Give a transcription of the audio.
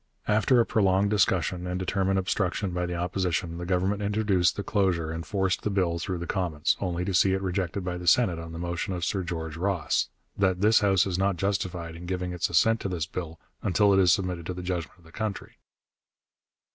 After a prolonged discussion and determined obstruction by the Opposition, the Government introduced the closure and forced the bill through the Commons, only to see it rejected by the Senate on the motion of Sir George Ross, 'that this House is not justified in giving its assent to this bill until it is submitted to the judgment of the country.'